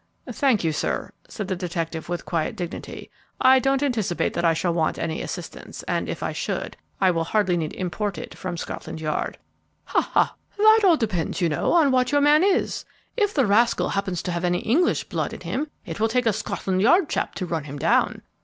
"Thank you, sir," said the detective, with quiet dignity; "I don't anticipate that I shall want any assistance; and if I should, I will hardly need import it from Scotland Yard." "Ha, ha! That all depends, you know, on what your man is. If the rascal happens to have any English blood in him, it will take a Scotland Yard chap to run him down."